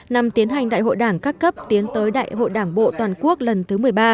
năm tiến hành đại hội đảng các cấp tiến tới đại hội đảng bộ toàn quốc lần thứ một mươi ba